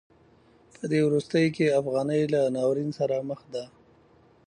په دې وروستیو کې افغانۍ له ناورین سره مخ ده.